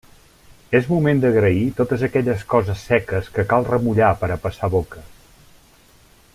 És moment d'agrair totes aquelles coses seques que cal remullar per a passar boca.